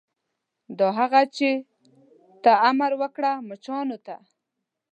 هغه دا چې ته امر وکړه مچانو ته.